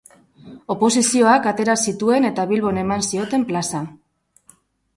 Oposizioak atera zituen eta Bilbon eman zioten plaza.